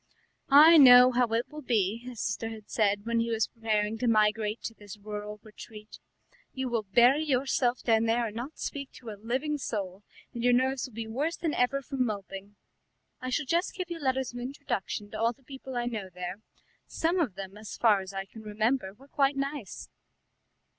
"I know how it will be," his sister had said when he was preparing to migrate to this rural retreat; "you will bury yourself down there and not speak to a living soul, and your nerves will be worse than ever from moping. I shall just give you letters of introduction to all the people I know there. Some of them, as far as I can remember, were quite nice."